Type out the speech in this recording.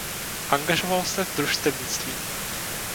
Angažoval se v družstevnictví.